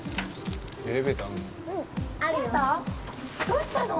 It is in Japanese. どうしたの！？